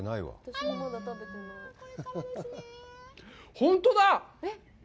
本当だ！